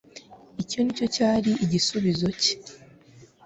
icyo nicyo cyari igisingizo cye )